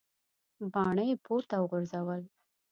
باڼه یې پورته وغورځول.